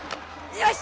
よし。